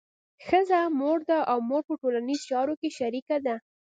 ښځه مور ده او مور په ټولنیزو چارو کې شریکه ده.